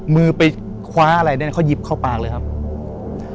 มือไปคว้าอะไรเนี่ยเขาหยิบเข้าปากเลยครับ